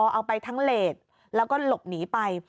เอาไปทั้งเลสแล้วก็หลบหนีไป